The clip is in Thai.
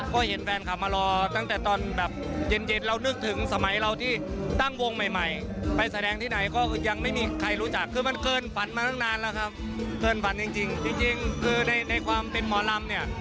คือมันเคลื่อนฝันมานานแล้วครับเคลื่อนฝันจริงจริงคือในความเป็นหมอลำเนี่ย